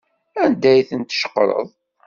Anda ay tent-tceqreḍ?